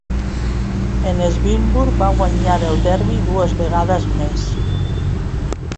En Swinburn va guanyar el Derby dues vegades més.